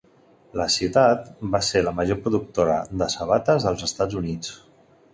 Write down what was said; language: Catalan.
La ciutat va ser la major productora de sabates dels Estats Units.